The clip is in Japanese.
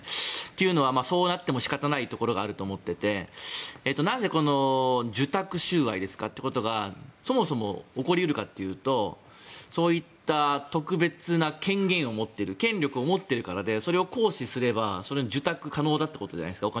というのはそうなっても仕方がないところがあると思っていてなぜ、この受託収賄ということがそもそも起こり得るかというとそういった特別な権限を持っている権力を持っているからでそれを行使すれば受託可能だということじゃないですか。